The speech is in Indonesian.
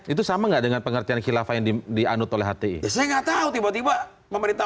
itu sama enggak dengan pengertian khilafah yang dianut oleh hti saya enggak tahu tiba tiba pemerintah